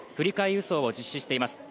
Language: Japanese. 輸送を実施しています。